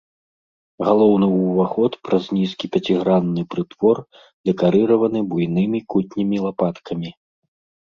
Галоўны ўваход праз нізкі пяцігранны прытвор дэкарыраваны буйнымі кутнімі лапаткамі.